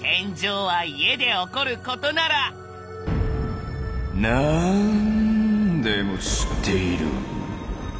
天井は家で起こることならなぁんでも知っている！